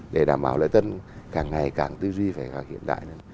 để đảm bảo lợi tân càng ngày càng tư duy về hiện đại